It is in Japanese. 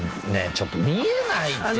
ちょっと見えないって！